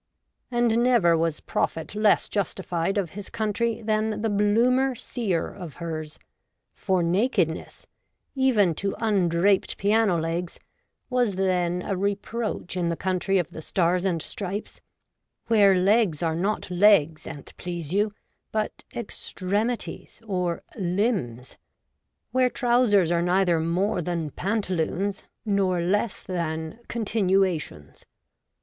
And never was prophet less justified of his country than the Bloomer seer of hers ; for nakedness, even to undraped piano legs, was then a reproach in the country of the Stars and Stripes, where legs are not legs, an 't please you, but ' extremities ' or ' limbs ;' 30 REVOLTED WOMAN. where trousers are neither more than ' pantaloons ' nor less than 'continuations.'